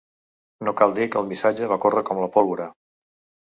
No cal dir que el missatge va córrer com la pólvora.